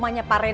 nanti aku jalan